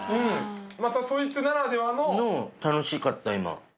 またそいつならではの。の楽しかった今。